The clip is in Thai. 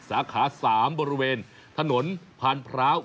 สาขา๓บริเวณถนนพานพร้าว